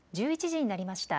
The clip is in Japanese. １１時になりました。